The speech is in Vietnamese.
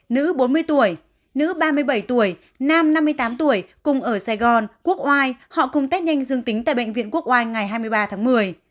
nữ bốn mươi tuổi nữ ba mươi bảy tuổi nam năm mươi tám tuổi cùng ở sài gòn quốc oai họ cùng test nhanh dương tính tại bệnh viện quốc oai ngày hai mươi ba tháng một mươi